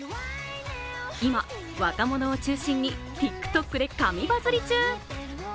今、若者を中心にＴｉｋＴｏｋで神バズリ中。